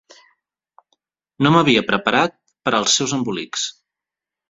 No m'havia preparat per als seus embolics.